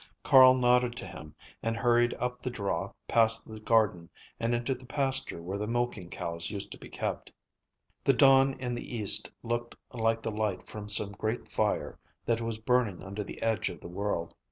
Carl nodded to him and hurried up the draw, past the garden, and into the pasture where the milking cows used to be kept. The dawn in the east looked like the light from some great fire that was burning under the edge of the world.